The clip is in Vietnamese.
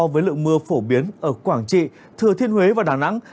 với lượng mưa phổ biến ở quảng trị thừa thiên huế và đà nẵng